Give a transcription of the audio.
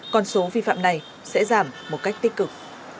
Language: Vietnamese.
con số vi phạm này sẽ giảm một cách tích cực